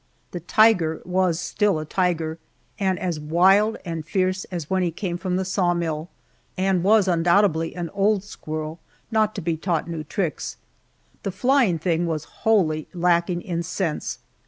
The "Tiger" was still a tiger, and as wild and fierce as when he came from the saw mill, and was undoubtedly an old squirrel not to be taught new tricks. The flying thing was wholly lacking in sense.